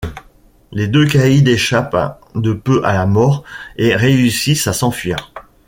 Les deux caïds échappent de peu à la mort, et réussissent à s'enfuir.